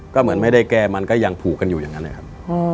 ก็เหมือนไม่ได้แก้มันก็ยังผูกกันอยู่อย่างนั้นนะครับ